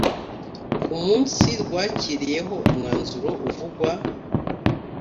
ku munsi rwakiriyeho umwanzuro uvugwa